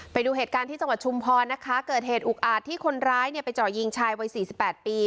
ไปดูเหตุการณ์ที่จังหวัดชุมพรนะคะเกิดเหตุอุกอาจที่คนร้ายเนี่ยไปเจาะยิงชายวัยสี่สิบแปดปี